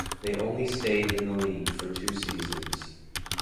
They only stayed in the league for two seasons.